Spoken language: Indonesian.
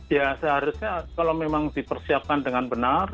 ya seharusnya kalau memang dipersiapkan dengan benar